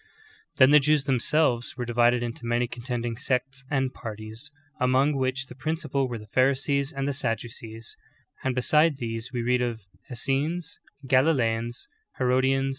7. Then the Jews themselves were divided into many contending sects and parties, among which the principal were the Pharisees and the Sadducees : and beside these we read of Essenes, Galileans, Herodians.